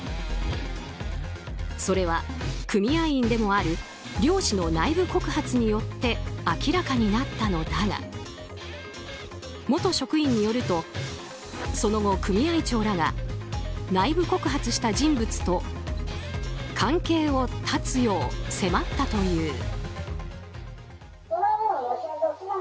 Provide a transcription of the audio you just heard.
それは組合員でもある漁師の内部告発によって明らかになったのだが元職員によるとその後、組合長らが内部告発した人物と関係を絶つよう迫ったという。